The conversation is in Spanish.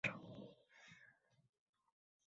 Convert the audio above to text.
Profesor y escritor en euskera navarro.